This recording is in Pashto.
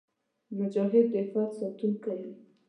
مجاهد د عفت ساتونکی وي.